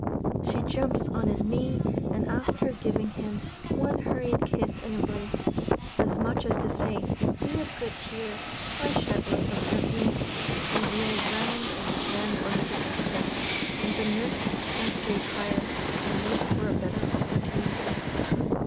She jumps on his knee, and after giving him one hurried kiss and embrace, as much as to say, "Be of good cheer, I shan't let them hurt you," she wheels round and stands on the defensive; and the nurse has to retire and wait for a better opportunity.